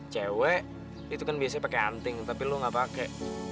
cewek itu kan biasanya pake anting tapi lo nggak pake